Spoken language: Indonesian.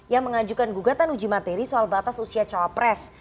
yang mengajukan gugatan uji materi soal batas usia cawapres